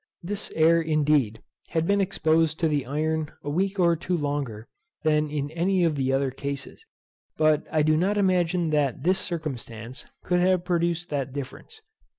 This air, indeed, had been exposed to the iron a week or two longer than in any of the other cases, but I do not imagine that this circumstance could have produced that difference.